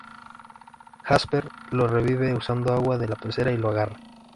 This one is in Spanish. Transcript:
Jasper lo revive usando agua de la pecera y lo agarra.